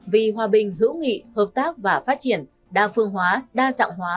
vì hòa bình hữu nghị hợp tác và phát triển đa phương hóa đa dạng hóa